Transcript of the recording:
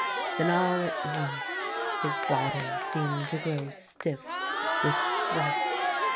Then all at once his body seemed to grow stiff with fright.